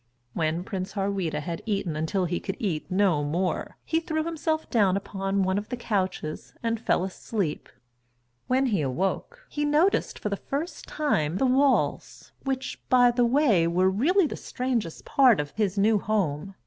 When Prince Harweda had eaten until he could eat no more, he threw himself down upon one of the couches and fell asleep. When he awoke, he noticed, for the first time, the walls which, by the way, were really the strangest part of his new home.